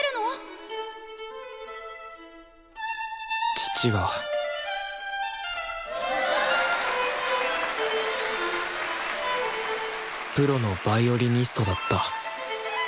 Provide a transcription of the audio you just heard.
父はプロのヴァイオリニストだった。